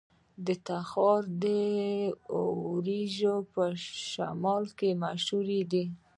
د تخار وریجې په شمال کې مشهورې دي.